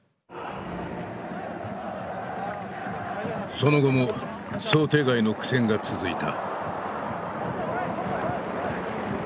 その後も想定外の苦戦が続いた。